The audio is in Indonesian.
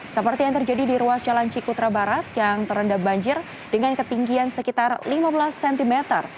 seperti yang terjadi di ruas jalan cikutra barat yang terendam banjir dengan ketinggian sekitar lima belas cm